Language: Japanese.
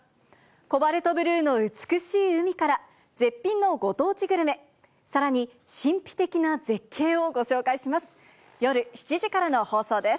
コバルトブルーの美しい海から、絶品のご当地グルメ、さらに、神秘的な絶景をご紹介します。